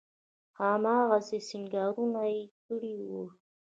هماغسې سينګارونه يې کړي وو.